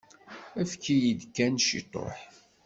Efk-iyi-d kan ciṭuḥ.